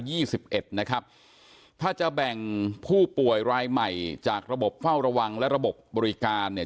สิบเอ็ดนะครับถ้าจะแบ่งผู้ป่วยรายใหม่จากระบบเฝ้าระวังและระบบบบริการเนี่ย